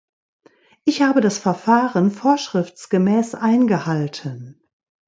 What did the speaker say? Ich habe das Verfahren vorschriftsgemäß eingehalten.